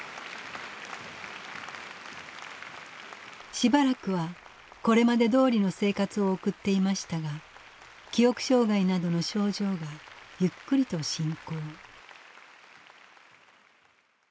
しばらくはこれまでどおりの生活を送っていましたが記憶障害などの症状がゆっくりと進行。